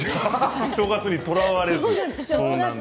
正月にとらわれず？